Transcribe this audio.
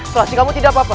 selasih kamu tidak apa apa